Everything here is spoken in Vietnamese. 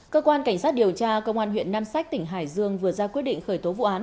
cơ quan cảnh sát điều tra công an huyện nam sách tỉnh hải dương vừa ra quyết định khởi tố vụ án